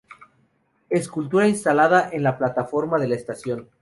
Escultura instalada en la plataforma de la estación.